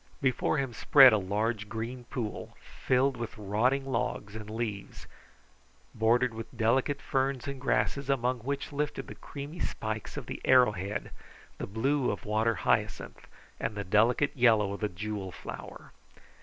Before him spread a large, green pool, filled with rotting logs and leaves, bordered with delicate ferns and grasses among which lifted the creamy spikes of the arrow head, the blue of water hyacinth, and the delicate yellow of the jewel flower.